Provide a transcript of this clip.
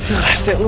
geras ya lu